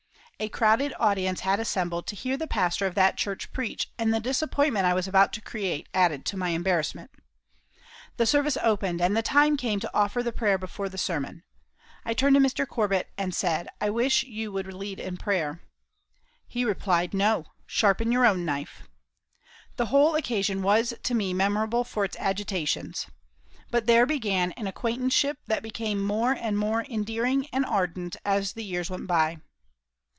A crowded audience had assembled to hear the pastor of that church preach, and the disappointment I was about to create added to my embarrassment. The service opened, and the time came to offer the prayer before sermon. I turned to Mr. Corbit and said, "I wish you would lead in prayer." He replied, "No! sharpen your own knife!" The whole occasion was to me memorable for its agitations. But there began an acquaintanceship that became more and more endearing and ardent as the years went by.